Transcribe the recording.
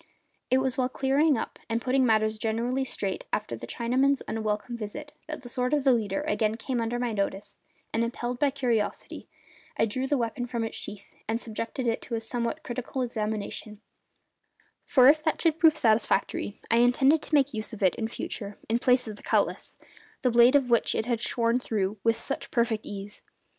It was while clearing up and putting matters generally straight after the Chinamen's unwelcome visit that the sword of the leader again came under my notice and, impelled by curiosity, I drew the weapon from its sheath and subjected it to a somewhat critical examination; for if that should prove satisfactory I intended to make use of it in future in place of the cutlass, the blade of which it had shorn through with such perfect ease.